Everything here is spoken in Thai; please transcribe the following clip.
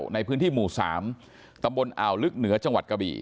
ในพื้นที่หมู่๓ตำบลอ่าวลึกเหนือจังหวัดกะบี่